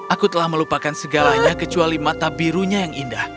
aku telah melupakan segalanya kecuali mata birunya yang indah